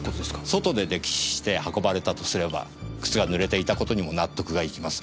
外で溺死して運ばれたとすれば靴が濡れていたことにも納得がいきます。